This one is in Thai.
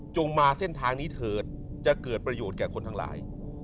มาเส้นทางนี้เถิดจะเกิดประโยชน์แก่คนทั้งหลาย